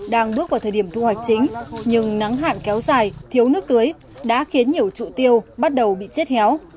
đang bước vào thời điểm thu hoạch chính nhưng nắng hạn kéo dài thiếu nước tưới đã khiến nhiều trụ tiêu bắt đầu bị chết héo